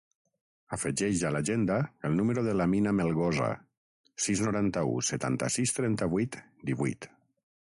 Afegeix a l'agenda el número de l'Amina Melgosa: sis, noranta-u, setanta-sis, trenta-vuit, divuit.